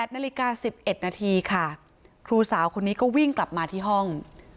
๘นาฬิกา๑๑นาทีค่ะครูสาวคนนี้ก็วิ่งกลับมาที่ห้อง